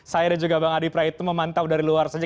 saya dan juga bang adi praetno memantau dari luar saja